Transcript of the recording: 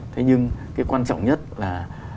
thế nhưng cái quan trọng nhất là